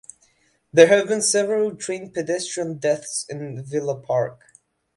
There have been several train-pedestrian deaths in Villa Park.